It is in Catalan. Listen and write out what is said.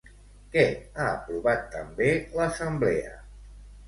Què ha aprovat també l'assemblea?